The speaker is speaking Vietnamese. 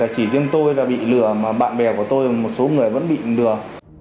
chỉ riêng tôi là bị lừa mà bạn bè của tôi và một số người vẫn bị lừa